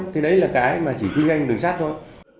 thì đấy là cái mà chỉ kinh doanh đường sắt thôi